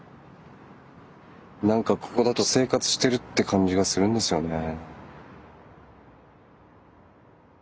何かここだと生活してるって感じがするんですよね。